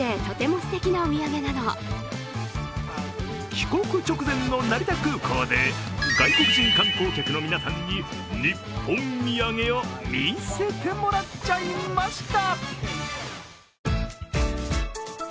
帰国直前の成田空港で、外国人観光客の皆さんに日本土産を見せてもらっちゃいました。